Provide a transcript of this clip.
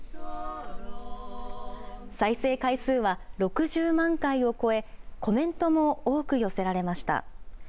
再生回数は６０万回を超えコメントも多く寄せられました。